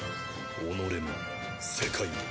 己も世界も。